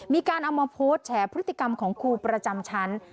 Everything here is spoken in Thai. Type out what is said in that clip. มีการเอามาโพสต์แฉพฤติกรรมของครูประจำชั้น